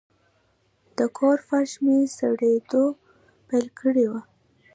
د کور فرش مې سړېدو پیل کړی و.